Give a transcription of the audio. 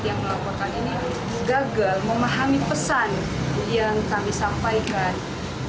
yang melaporkan ini gagal memahami pesan yang kami sampaikan